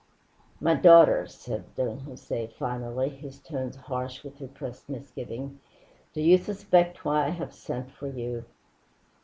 "My daughter," said Don Jose finally, his tones harsh with repressed misgiving, "do you suspect why I have sent for you?"